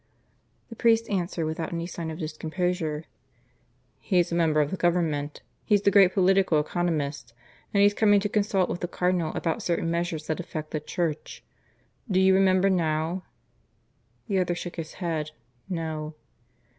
The priest answered without any sign of discomposure. "He's a member of the Government. He's the great Political Economist. And he's coming to consult with the Cardinal about certain measures that affect the Church. Do you remember now?" The other shook his head. "No."